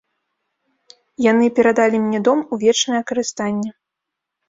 Яны перадалі мне дом у вечнае карыстанне.